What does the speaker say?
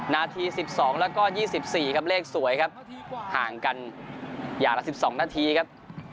นาที๑๒แล้วก็๒๔ครับเลขสวยครับห่างกันอย่างละ๑๒นาทีครับ